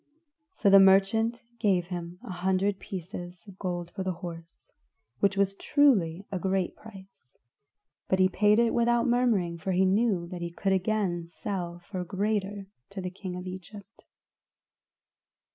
So the merchant gave him an hundred pieces of gold for the horse which was truly a great price, but he paid it without murmuring for he knew that he could again sell for a greater to the king of Egypt.